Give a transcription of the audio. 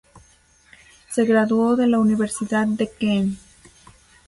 Se graduó de la Universidad de Queen.